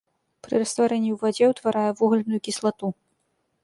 Пры растварэнні ў вадзе ўтварае вугальную кіслату.